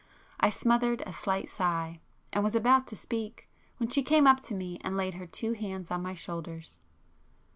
I smothered a slight sigh, and was about to speak, when she came up to me and laid her two hands on my shoulders.